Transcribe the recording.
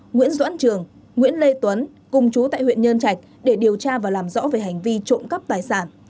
nguyễn doãn trường nguyễn lê tuấn cùng chú tại huyện nhơn trạch để điều tra và làm rõ về hành vi trộm cắp tài sản